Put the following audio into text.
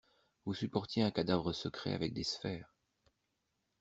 Vous supportiez un cadavre secret avec des sphères.